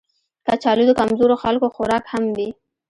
کچالو د کمزورو خلکو خوراک هم وي